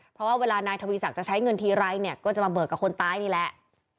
เพราะว่าเวลานายทวีศักดิ์จะใช้เงินทีไรเนี่ยก็จะมาเบิกกับคนตายนี่แหละ